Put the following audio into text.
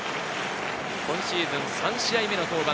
今シーズン３試合目の登板。